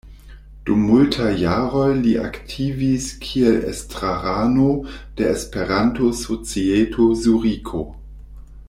Dum multaj jaroj li aktivis kiel estrarano de Esperanto-Societo Zuriko.